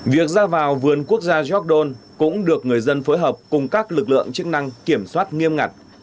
việc ra vào vườn quốc gia gióc đôn cũng được người dân phối hợp cùng các lực lượng chức năng kiểm soát nghiêm ngặt